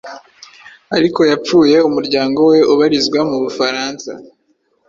ariko yapfuye umuryango we ubarizwa mu Bufaransa,